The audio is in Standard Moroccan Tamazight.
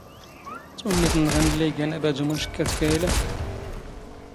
ⵜⵓⵏⵏⵉⵜ ⵏⵏ ⵖⵉⵏⵏ ⵍⵍⵉ ⵉⴳⴰⵏ ⴰⴱⴰⴷⵓ ⵎⵛⴽⴽ ⴰⴷ ⴽⴰ ⵉⵍⴰ.